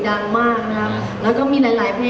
ถ้าเป็นเก่าแล้วนะคะก็จะได้ยินบ่อยแบบนี้